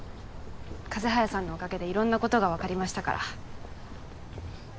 風早さんのおかげで色んなことがわかりましたから。